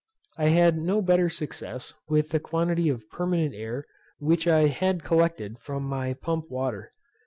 I had no better success with a quantity of permanent air which I had collected from my pump water.